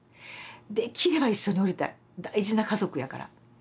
できれば一緒におりたい大事な家族やから。